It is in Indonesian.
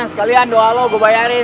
sekalian doa lu gua bayarin